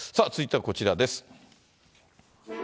続いてはこちらです。